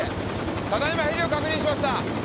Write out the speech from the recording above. ただ今ヘリを確認しました！